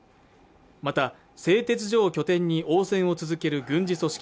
また製鉄所を拠点に応戦を続ける軍事組織